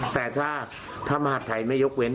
แต่ถ้ามหาดไทยไม่ยกเว้น